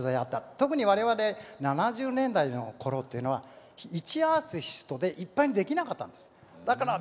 特にわれわれ７０年代のころというのは１アーティストでいっぱいにできなかったんです。